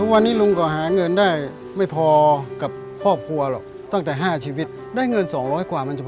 วันนี้ขอให้พ่อมีกำลังใจนะครับ